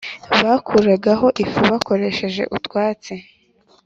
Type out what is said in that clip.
bakuragaho ifu bakoresheje utwatsi